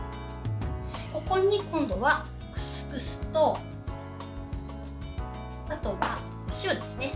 ここに今度はクスクスとあとはお塩ですね。